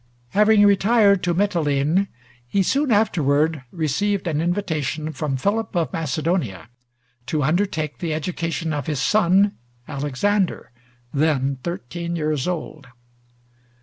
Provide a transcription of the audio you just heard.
Having retired to Mitylene, he soon afterward received an invitation from Philip of Macedonia to undertake the education of his son Alexander, then thirteen years old.